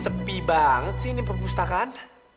sepi banget sih ini perpustakaan